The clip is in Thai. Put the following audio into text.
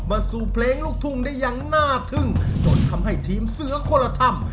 มาสู่เพลงลูกทุ่งได้อย่างน่าทึ่งจนทำให้ทีมเสือคนละถ้ำ